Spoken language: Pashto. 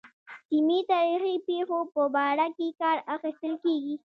سیمې تاریخي پېښو په باره کې کار اخیستل کېږي.